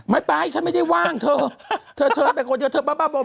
ไม่ไปฉันไม่ได้ว่างเธอเธอไปคนเดียวเธอบ้าบอม